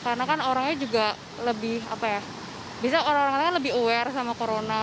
karena kan orangnya juga lebih bisa orang orangnya lebih aware sama corona